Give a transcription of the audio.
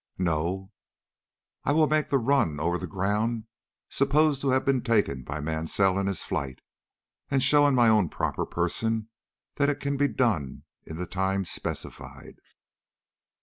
"No?" "I will make the run over the ground supposed to have been taken by Mansell in his flight, and show in my own proper person that it can be done in the time specified."